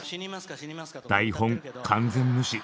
台本完全無視！